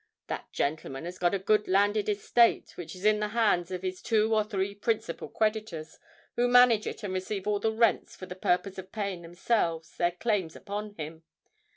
That gentleman has got a good landed estate, which is in the hands of his two or three principal creditors, who manage it and receive all the rents for the purpose of paying themselves their claims upon him.